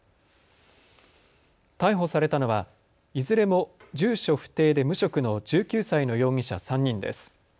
逮捕されたのはいずれも住所不定で無職の１９歳の容疑者３人です。